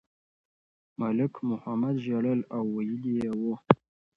ملک محمد ژړل او ویلي یې وو.